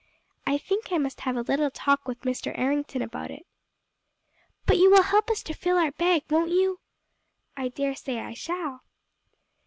"I think I must have a little talk with Mr. Errington about it." "But you will help us to fill our bag, won't you?" "I dare say I shall."